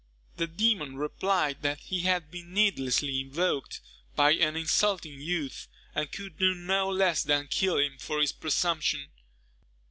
The demon replied, that he had been needlessly invoked by an insulting youth, and could do no less than kill him for his presumption.